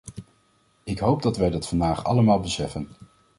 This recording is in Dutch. Ik hoop dat wij dat vandaag allemaal beseffen.